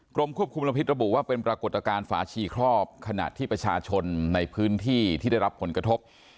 กรมควบคุมมลพิษระบุว่าเป็นปรากฏการณ์ฝาชีครอบขณะที่ประชาชนในพื้นที่ที่ได้รับผลกระทบ